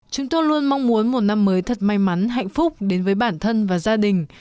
chúng tôi luôn mong muốn một năm mới thật may mắn hạnh phúc đến với bản thân và gia đình